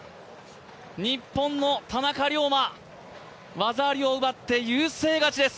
日本の田中龍馬、技ありを奪って優勢勝ちです。